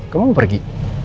kamu mau pergi